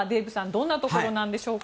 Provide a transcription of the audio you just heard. どんなところなんでしょうか。